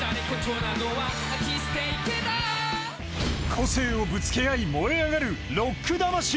個性をぶつけ合い燃え上がるロック魂。